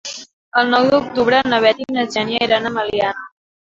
El nou d'octubre na Bet i na Xènia iran a Meliana.